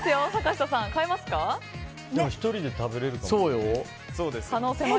でも１人で食べれるかも。